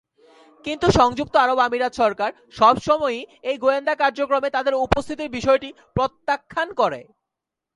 কিন্তু সংযুক্ত আরব আমিরাত সরকার সবসময়ই এই গোয়েন্দা কার্যক্রমে তাদের উপস্থিতির বিষয়টি প্রত্যাখ্যান করে।